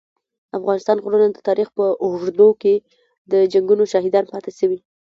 د افغانستان غرونه د تاریخ په اوږدو کي د جنګونو شاهدان پاته سوي.